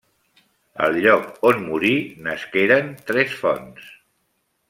Al lloc on morí nasqueren tres fonts.